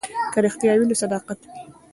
که رښتیا وي نو صداقت وي.